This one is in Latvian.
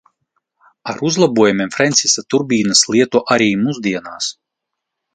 Ar uzlabojumiem Frensisa turbīnas lieto arī mūsdienās.